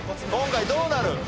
今回どうなる？